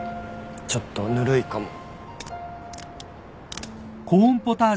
ちょっとぬるいかも。